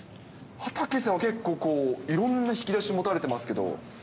畠さんは結構、いろんな引き出し持たれてますけど。